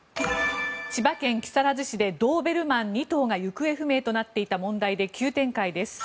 千葉県木更津市でドーベルマン２頭が行方不明となっていた問題で急展開です。